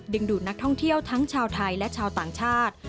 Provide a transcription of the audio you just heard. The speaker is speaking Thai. ดูดนักท่องเที่ยวทั้งชาวไทยและชาวต่างชาติ